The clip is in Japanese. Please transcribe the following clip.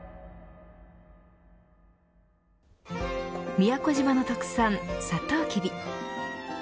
宮古島の特産、サトウキビ。